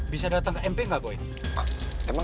biar care juga gue punya cewek